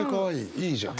いいじゃん。